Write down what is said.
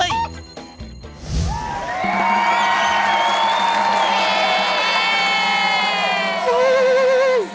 มาเยือนทินกระวีและสวัสดี